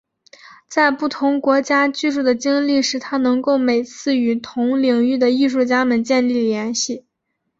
在不同国家居住的经历使他能够每次与同领域的艺术家们建立联系。